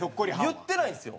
言ってないんですよ。